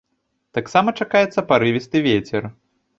Таксама чакаецца парывісты вецер.